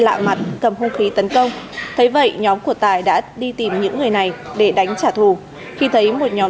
lạ mặt cầm hung khí tấn công thấy vậy nhóm của tài đã đi tìm những người này để đánh trả thù khi thấy một nhóm